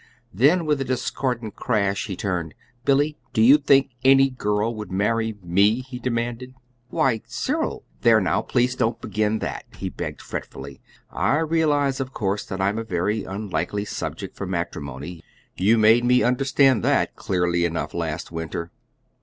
Then, with a discordant crash, he turned. "Billy, do you think any girl would marry me?" he demanded. "Why, Cyril!" "There, now, please don't begin that," he begged fretfully. "I realize, of course, that I'm a very unlikely subject for matrimony. You made me understand that clearly enough last winter!"